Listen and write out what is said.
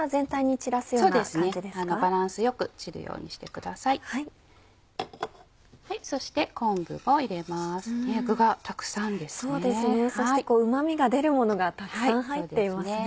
そしてうま味が出るものがたくさん入っていますね。